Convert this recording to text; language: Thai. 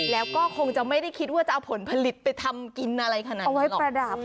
แล้วก็คงจะไม่ได้คิดว่าจะเอาผลผลิตไปทำกินอะไรขนาดเอาไว้ประดับ